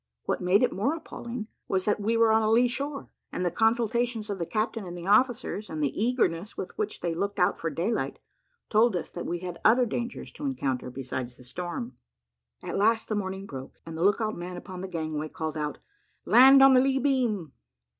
What made it more appalling was, that we were on a lee shore, and the consultations of the captain and officers, and the eagerness with which they looked out for daylight, told us that we had other dangers to encounter besides the storm. At last the morning broke, and the look out man upon the gangway called out, "Land on the lee beam!"